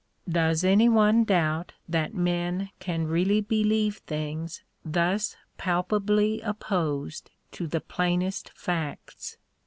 Does any one doubt that men can really believe things thus palpably opposed to the plainest facts